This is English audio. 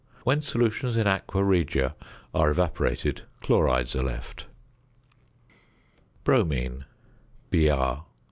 When solutions in aqua regia are evaporated, chlorides are left. ~Bromine~, Br.